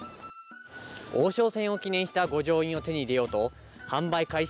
王将戦を記念した御城印を手に入れようと販売開始